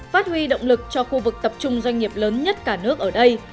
phát huy động lực cho khu vực tập trung doanh nghiệp lớn nhất cả nước ở đây